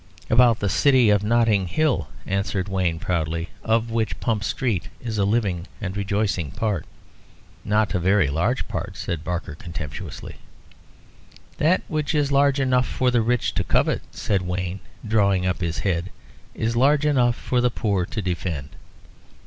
"About the city of Notting Hill," answered Wayne, proudly, "of which Pump Street is a living and rejoicing part." "Not a very large part," said Barker, contemptuously. "That which is large enough for the rich to covet," said Wayne, drawing up his head, "is large enough for the poor to defend."